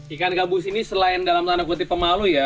ikan gabus ini selain dalam tanda kutip pemalu ya